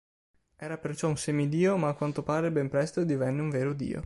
Era perciò un semidio ma a quanto pare ben presto divenne un vero dio.